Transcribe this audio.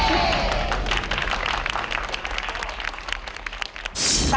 สินะครับ